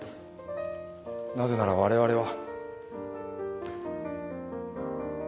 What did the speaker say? なぜなら我々は。